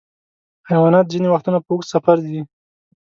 حیوانات ځینې وختونه په اوږده سفر ځي.